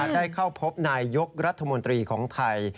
ได้เข้าพบนายยกรัฐมนตรีของไทย